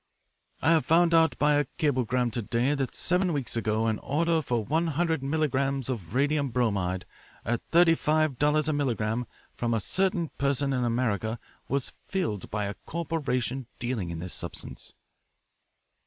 "I have found out by a cablegram to day that seven weeks ago an order for one hundred milligrams of radium bromide at thirty five dollars a milligram from a certain person in America was filled by a corporation dealing in this substance."